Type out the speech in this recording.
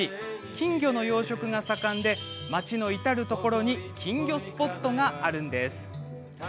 金魚の養殖が盛んで町の至る所に金魚スポットがあるんです。